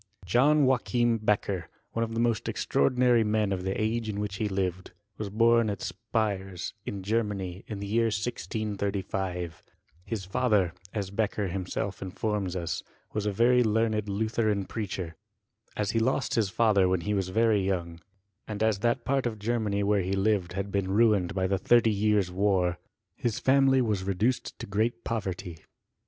John Joachim Beccher, one of the most extraordi nary men of the age in which he lived, was bom at; Spires, in Gennaay, ia the year 1635. His fitther, aii •tHBORT US CHEMISTRY. 24t Beccher himself infonns us, was a very learned Lutheran preacher. As he lost his father when he was very young, and as that part of Germany where he lived had been ruined by the thirty years' war, his family was reduced to great poverty.